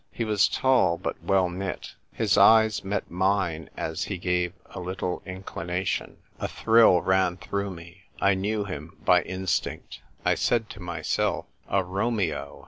He was tall, but well knit. His eyes met mine as he gave a little inclination. A thrill ran through me. I knew him as by instinct. I said to myself, " A Romeo